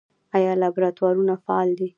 آیا لابراتوارونه فعال دي؟